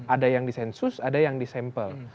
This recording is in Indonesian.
ada yang disensus ada yang disampel